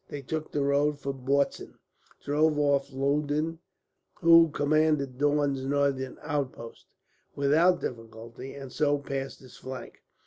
They took the road for Bautzen, drove off Loudon (who commanded Daun's northern outposts) without difficulty, and so passed his flank.